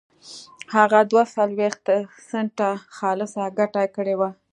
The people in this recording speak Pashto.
هغه دوه څلوېښت سنټه خالصه ګټه کړې وه.